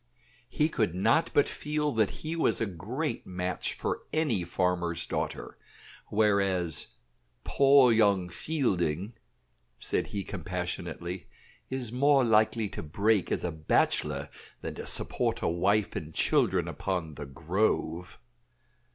He could not but feel that he was a great match for any farmer's daughter; whereas "poor young Fielding," said he compassionately, "is more likely to break as a bachelor than to support a wife and children upon 'The Grove.'"